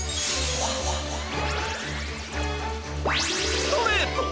ストレート！